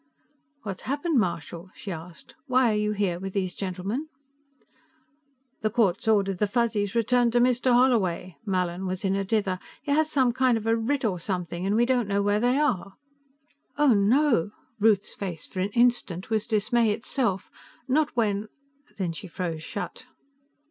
"What happened, Marshal?" she asked. "Why are you here with these gentlemen?" "The court's ordered the Fuzzies returned to Mr. Holloway." Mallin was in a dither. "He has some kind a writ or something, and we don't know where they are." "Oh, no!" Ruth's face, for an instant, was dismay itself. "Not when " Then she froze shut.